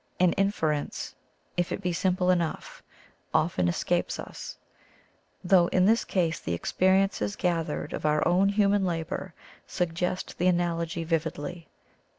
An inference, if it be simple enough, often escapes us, though in this case the experi ences gathered of our own human labour suggest the analogy vividly.